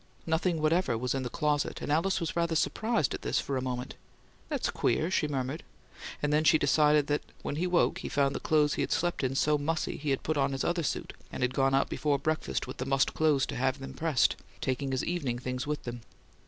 Nothing whatever was in the closet, and Alice was rather surprised at this for a moment. "That's queer," she murmured; and then she decided that when he woke he found the clothes he had slept in "so mussy" he had put on his "other suit," and had gone out before breakfast with the mussed clothes to have them pressed, taking his evening things with them.